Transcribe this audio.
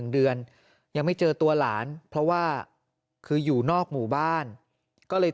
เดือนยังไม่เจอตัวหลานเพราะว่าคืออยู่นอกหมู่บ้านก็เลย